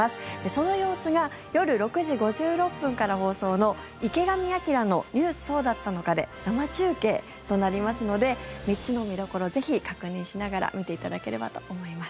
その様子が夜６時５６分から放送の「池上彰のニュースそうだったのか！！」で生中継となりますので３つの見どころぜひ確認しながら見ていただければと思います。